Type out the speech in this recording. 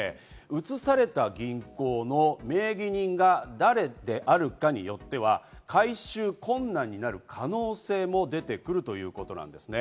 移された銀行の名義人が誰であるかによっては回収困難になる可能性も出てくるということです。